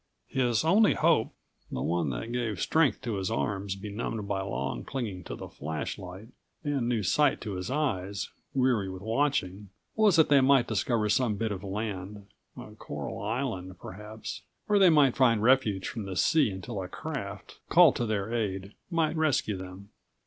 His only hope, the one that gave strength to his arms benumbed by long clinging to the flashlight and new sight to his eyes, weary with watching, was that they might discover some bit of land, a coral island, perhaps, where they might find refuge from the sea until a craft, called to their aid, might rescue them.